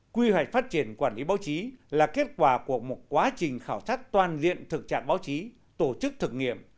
quy hoạch phát triển quản lý báo chí là kết quả của một quá trình khảo sát toàn diện thực trạng báo chí tổ chức thực nghiệm